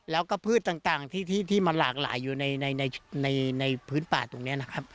แล้วก็พืชต่างที่มันหลากหลายอยู่ในพื้นป่าตรงนี้นะครับ